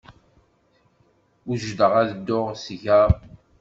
Wejdeɣ ad dduɣ seg-a.